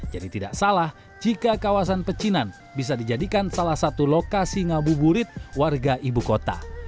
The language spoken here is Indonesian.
jadi tidak salah jika kawasan pecinan bisa dijadikan salah satu lokasi ngabuburit warga ibu kota